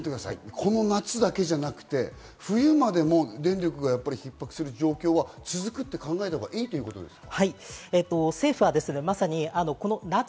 この夏だけじゃなくて、冬までも電力がひっ迫する状況は続くって考えたほうがいいということですか？